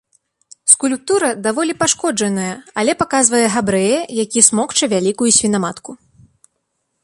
Скульптура даволі пашкоджаная, але паказвае габрэя, які смокча вялікую свінаматку.